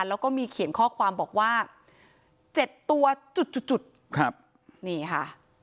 แล้วก็มีเขียนข้อความบอกว่าเจ็ดตัวจุดจุดจุดครับนี่ค่ะ